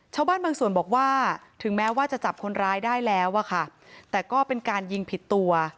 ชาวบ้านบางส่วนบอกว่าถึงแม้ว่าจะจับคนร้ายได้แล้วอะค่ะแต่ก็เป็นการยิงผิดตัว